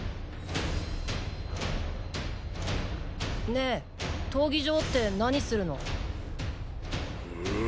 ねえ闘技場ってなにするの？